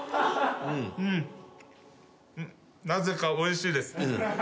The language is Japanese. なぜかおいしいです。